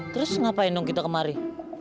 terus ngapain dong kita kemari